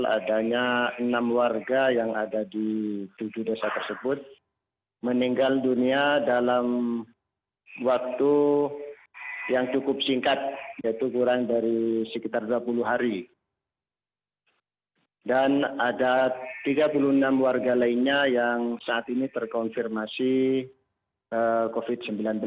ada tiga puluh enam warga lainnya yang saat ini terkonfirmasi covid sembilan belas